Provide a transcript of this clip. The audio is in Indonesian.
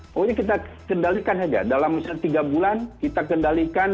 pokoknya kita kendalikan saja dalam misalnya tiga bulan kita kendalikan